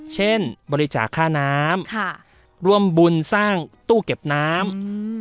เช่นบริจาคค่าน้ำค่ะร่วมบุญสร้างตู้เก็บน้ำอืม